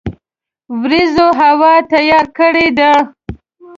وریځوهوا تیار کړی ده